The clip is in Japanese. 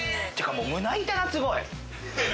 胸板がすごい。